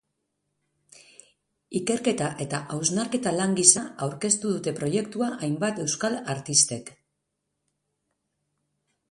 Ikerketa eta hausnaketa lan gisa aurkeztu dute proiektua hainbat euskal artistek.